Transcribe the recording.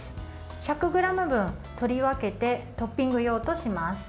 １００ｇ分、取り分けてトッピング用とします。